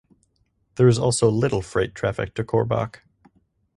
There is also little freight traffic to Korbach.